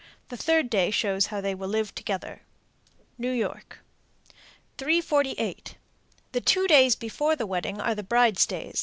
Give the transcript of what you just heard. The third day shows how they will live together. New York. 348. The two days before the wedding are the bride's days.